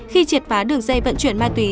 khi triệt phá đường dây vận chuyển ma túy